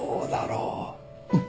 うん。